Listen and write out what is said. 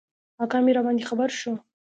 اکا مي راباندي خبر شو .